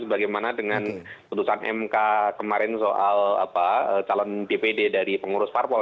bagaimana dengan putusan mk kemarin soal calon dpd dari pengurus parpol